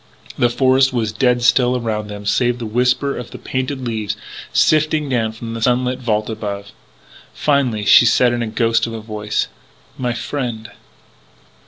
The forest was dead still around them save for the whisper of painted leaves sifting down from a sunlit vault above. Finally she said in a ghost of a voice: "My friend...."